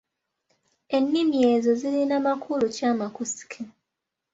Ennini ezo zirina makulu ki amakusike?